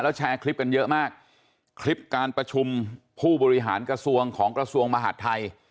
แล้วแชร์คลิปกันเยอะมากคลิปการประชุมผู้บริหารกระทรวงของกระทรวงมหาดไทย